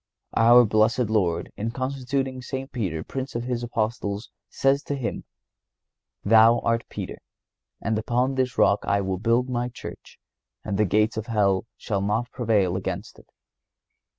Our blessed Lord, in constituting St. Peter Prince of His Apostles, says to him: "Thou art Peter, and upon this rock I will build My Church, and the gates of hell shall not prevail against it."